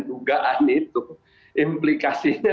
dugaan itu implikasinya